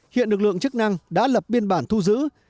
hiện lực lượng chức năng đã lập biên bản thu giữ